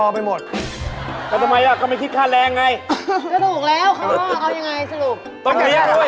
ไม้ก็ไม่คิดค่าแรงไง